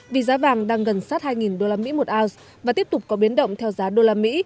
vì giá vàng đang gần sát hai usd một ounce và tiếp tục có biến động theo giá usd